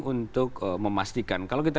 untuk memastikan kalau kita